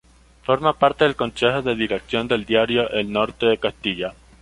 Forma parte del consejo de dirección del diario "El Norte de Castilla".